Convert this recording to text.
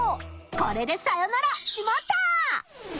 これでさよなら「しまった！」。